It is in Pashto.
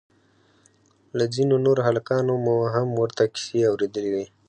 له ځينو نورو هلکانو مو هم ورته کيسې اورېدلې وې.